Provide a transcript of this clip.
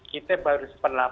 kita baru satu per delapan